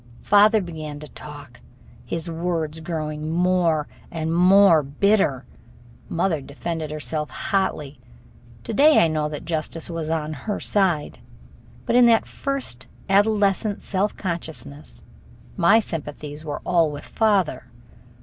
Father began to talk, his words growing more and more bitter. Mother defended herself hotly. To day I know that justice was on her side. But in that first adolescent self consciousness my sympathies were all with father.